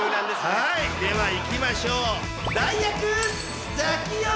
はいではいきましょう。